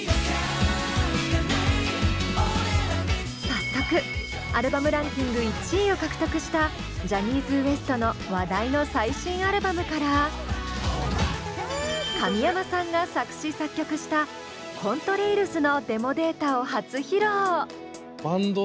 早速アルバムランキング１位を獲得したジャニーズＷＥＳＴの話題の最新アルバムから神山さんが作詞作曲した「Ｃｏｎｔｒａｉｌｓ」のデモデータを初披露！